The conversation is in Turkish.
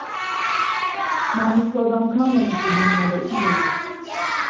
Namuslu adam kalmamış bu dünyada iki gözüm.